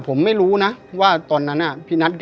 ผมไม่รู้นะว่าตอนนั้นพี่นัท